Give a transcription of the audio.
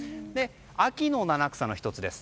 秋の七草の１つです。